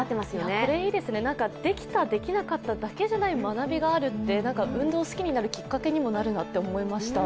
これいいですね、できた、できなかっただけじゃない学びがあるって運動好きになるきっかけにもなるなって思いました。